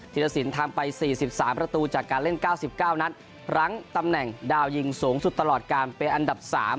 ธีระสินทำไปสี่สิบสามประตูจากการเล่นเก้าสิบเก้านัดหลังตำแหน่งดาวยิงสูงสุดตลอดการเป็นอันดับสาม